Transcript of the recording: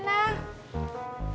abang mau kemana